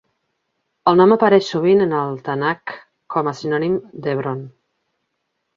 El nom apareix sovint en el Tanakh com a sinònim d'Hebron.